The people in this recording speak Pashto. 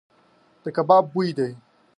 د کباب بوی دی .